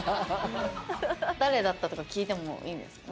誰だったとか聞いてもいいですか？